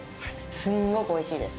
すんごくおいしいです。